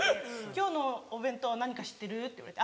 「今日のお弁当何か知ってる？」って言われて。